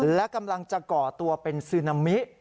และกำลังจะก่อตัวเป็นซึนามิ